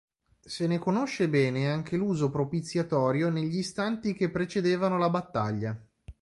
Se ne conosce bene anche l'uso propiziatorio negli istanti che precedevano la battaglia.